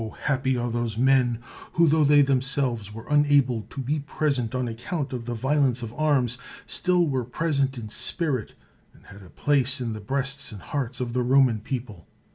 happy are those men who, tho they themselves were unable to be present on account of the vio lence of arms, still were present in spirit, and had a place in the breasts and liearts of the Roman people.